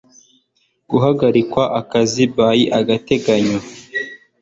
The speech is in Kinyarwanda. ihagarikwa ku kazi by agateganyo